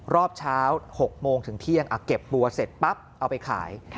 รอบเช้า๖โมงถึงเที่ยงเก็บบัวเสร็จปั๊บเอาไปขาย